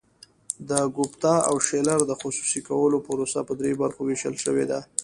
د ګوپټا او شیلر د خصوصي کولو پروسه په درې برخو ویشل شوې ده.